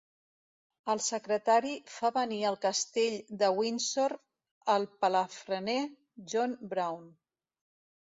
El secretari fa venir al Castell de Windsor el palafrener John Brown.